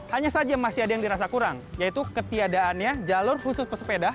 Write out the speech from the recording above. hanya saja masih ada yang dirasa kurang yaitu ketiadaannya jalur khusus pesepeda